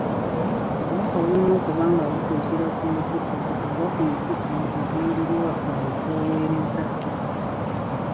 Obubaka bulina okuba nga butuukira ku mukutu oba emikutu egiwulirwa oyo gw'oweereza.